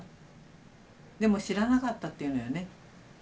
でも知らなかったっていうのよね。